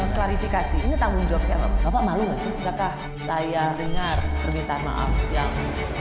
klarifikasi ini tanggung jawab bapak malu saya dengar permintaan maaf yang